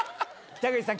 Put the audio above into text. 北口さん。